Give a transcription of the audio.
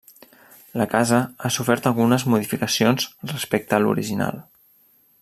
La casa ha sofert algunes modificacions respecte a l'original.